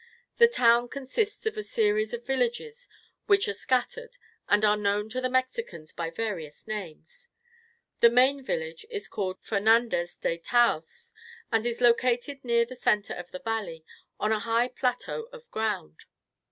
The town consists of a series of villages, which are scattered, and are known to the Mexicans by various names. The main village is called Fernandez de Taos, and is located near the centre of the valley, on a high plateau of ground.